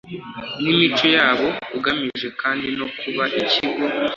n imico yabo ugamije kandi no kuba ikigo